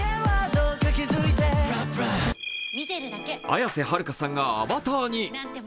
綾瀬はるかさんがアバターに。